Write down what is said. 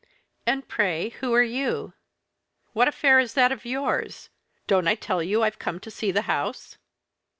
"And pray who are you?" "What affair is that of yours? Don't I tell you I've come to see the house?"